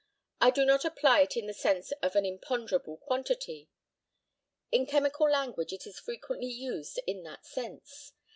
I do not apply it in the sense of an imponderable quantity. In chemical language it is frequently used in that sense.